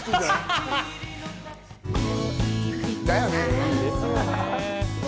だよね。